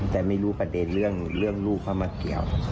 แต่ไม่รู้ประเด็นเรื่องลูกเข้ามาเกี่ยว